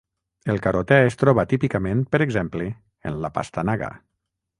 El carotè es troba típicament, per exemple, en la pastanaga.